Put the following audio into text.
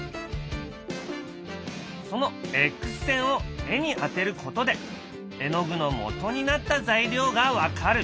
そのエックス線を絵に当てることで絵の具のもとになった材料が分かる。